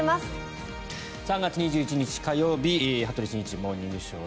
３月２１日、火曜日「羽鳥慎一モーニングショー」。